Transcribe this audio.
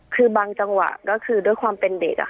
คือบางจังหวะก็คือด้วยความเป็นเด็ก